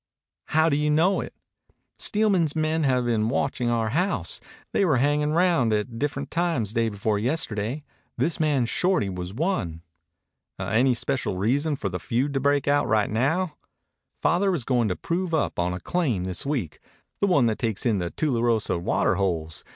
"How do you know it?" "Steelman's men have been watching our house. They were hanging around at different times day before yesterday. This man Shorty was one." "Any special reason for the feud to break out right now?" "Father was going to prove up on a claim this week the one that takes in the Tularosa water holes.